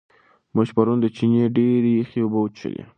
موږ پرون د چینې ډېرې یخې اوبه وڅښلې.